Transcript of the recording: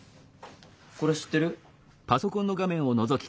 これ知ってる？